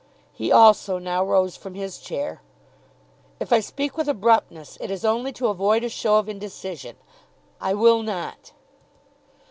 He also now rose from his chair. "If I speak with abruptness it is only to avoid a show of indecision. I will not."